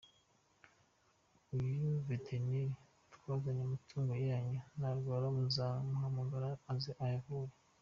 Uyu Veterineri twazanye, amatungo yanyu narwara muzamuhamagare aze ayavure”.